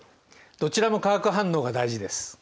どちらも化学反応が大事です。